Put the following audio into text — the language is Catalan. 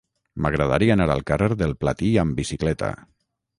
M'agradaria anar al carrer del Platí amb bicicleta.